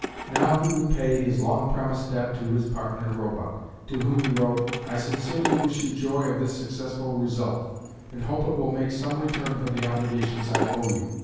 Now he would pay his long promised debt to his partner Roebuck, to whom he wrote, "I sincerely wish you joy of this successful result, and hope it will make some return for the obligations I owe you."